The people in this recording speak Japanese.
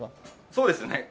そうですね。